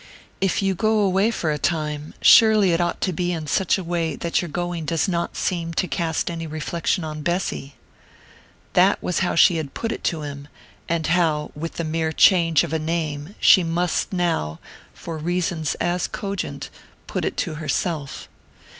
"If you go away for a time, surely it ought to be in such a way that your going does not seem to cast any reflection on Bessy...." That was how she had put it to him, and how, with the mere change of a name, she must now, for reasons as cogent, put it to herself.